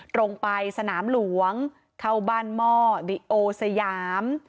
ตรงไปสนามหลวงเข้าบ้านหม้อดิโอสยาม